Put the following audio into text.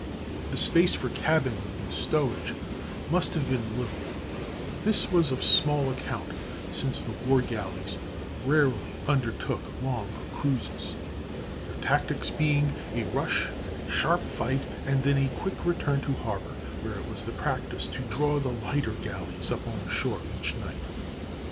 The space for cabins and stowage must have been little, but this was of small account, since the war galleys rarely undertook long cruises, their tactics being a rush and a sharp fight, and then a quick return to harbor, where it was the practice to draw the lighter galleys up on shore each night.